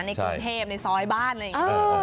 ในกรุงเทพในซอยบ้านอะไรอย่างนี้